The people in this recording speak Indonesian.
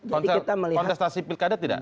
kontestasi pilkada tidak